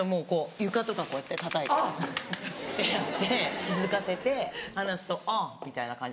床とかこうやってたたいて。ってやって気付かせて話すと「あぁ」みたいな感じ。